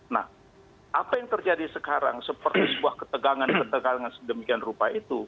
nah apa yang terjadi sekarang seperti sebuah ketegangan ketegangan sedemikian rupa itu